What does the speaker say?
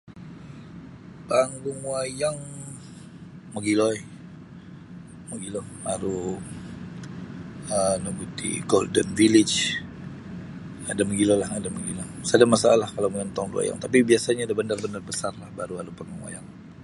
Panggung wayang mogilo eh mogilo aru um nu gu iti aru golden village ada mogilolah ada mogilo sada masalah kalau mongontong da wayang tapi biasanyo da bandar-bandar besarlah baru ada panggung wayang.